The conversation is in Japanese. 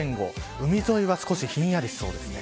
海沿いは少しひんやりしそうです。